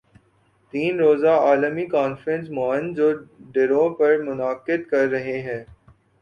تین روزہ عالمی کانفرنس موئن جو دڑو پر منعقد کررہے ہیں